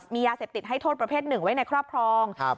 มียาเสพติดให้โทษประเภทหนึ่งไว้ในครอบครอง